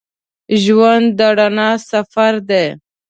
ژوند د رڼا سفر دی.